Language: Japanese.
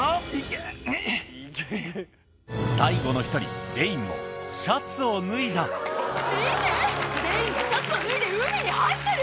最後の１人、デインもシャツ見て、デインがシャツを脱いで海に入ってる。